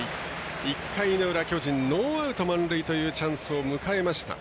１回の裏、巨人ノーアウト、満塁というチャンスを迎えました。